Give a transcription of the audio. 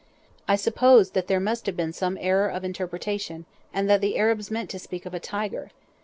I supposed that there must have been some error of interpretation, and that the Arabs meant to speak of a tiger.